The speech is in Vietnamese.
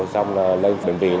xong lên bệnh viện